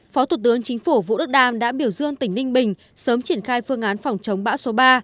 phó thủ tướng chính phủ vũ đức đam đã biểu dương tỉnh ninh bình sớm triển khai phương án phòng chống bão số ba